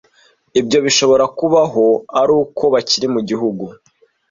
Ibyo bishobora kubaho ari uko bakiri mu gihugu.